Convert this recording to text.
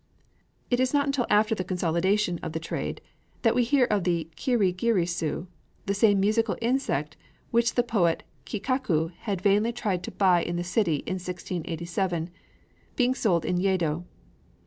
It is not until after this consolidation of the trade that we hear of the kirigirisu, the same musical insect which the poet Kikaku had vainly tried to buy in the city in 1687, being sold in Yedo.